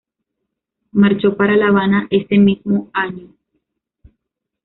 Marchó para La Habana ese mismo año.